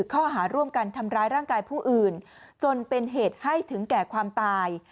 ข้อหาร่วมกันทำร้ายร่างกายผู้อื่นจนเป็นเหตุให้ถึงแก่ความตาย